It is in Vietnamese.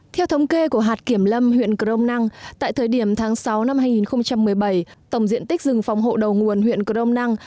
theo thống kê của hạt kiểm lâm huyện crom năng tại thời điểm tháng sáu năm hai nghìn một mươi bảy tổng diện tích rừng phòng hộ đầu nguồn huyện crom năng